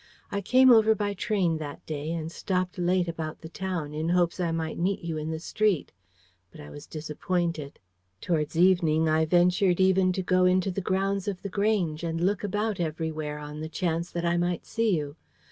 I came over by train that day, and stopped late about the town in hopes I might meet you in the street. But I was disappointed. Towards evening I ventured even to go into the grounds of The Grange, and look about everywhere on the chance that I might see you.